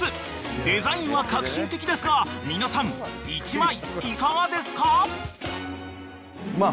［デザインは革新的ですが皆さん１枚いかがですか？］